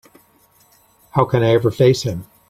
How can I ever face him?